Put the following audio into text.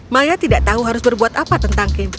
maya tidak tahu harus berbuat apa tentang kim